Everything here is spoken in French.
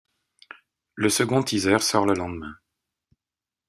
Le second teaser sort le lendemain.